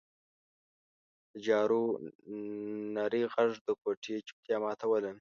د جارو نري غږ د کوټې چوپتیا ماتوله.